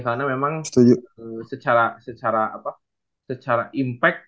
karena memang secara impact